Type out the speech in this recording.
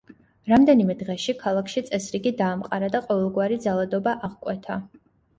რამდენიმე დღეში ქალაქში წესრიგი დაამყარა და ყოველგვარი ძალადობა აღკვეთა.